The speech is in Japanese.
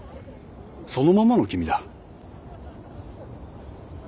そのままの君だ。